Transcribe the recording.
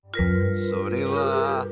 それは。